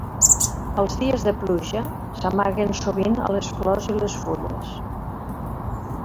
Els dies de pluja, s'amaguen sovint a les flors i les fulles.